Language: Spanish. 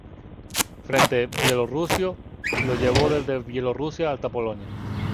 Frente Bielorruso, lo llevó desde Bielorrusia hasta Polonia.